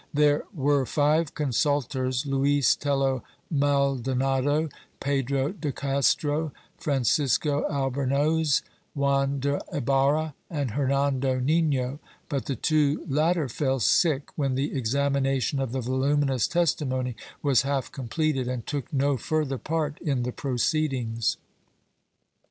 There were five consultors, Luis Tello Maldonado, Pedro de Castro, Fran cisco Albornoz, Juan de Ibarra and Hernando Nino, but the two latter fell sick, when the examination of the voluminous testimony was half completed, and took no further part in the proceedings.